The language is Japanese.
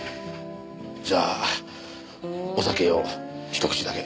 じゃあお酒をひと口だけ。